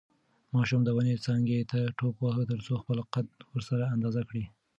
ماشوم د ونې څانګې ته ټوپ واهه ترڅو خپله قد ورسره اندازه کړي.